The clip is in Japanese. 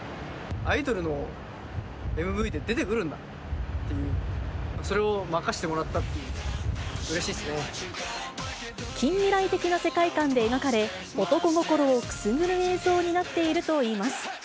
アイドルのＭＶで出てくるんだっていう、それを任せてもらったっ近未来的な世界観で描かれ、男心をくすぐる映像になっているといいます。